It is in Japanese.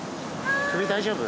首大丈夫？